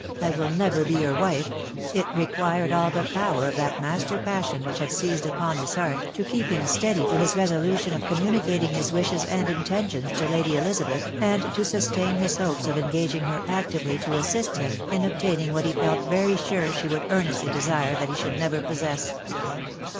" I will never be your wife !" it required all the power of that master passion which had seised upon his heart to keep him steady to his resolution of communicating his wishes and rntentioan to Lady Elizabeth, and to sustain his hopes of engaging her actively to assist him in obtaining what he felt very sure she would, earnestly desire that he should never possess.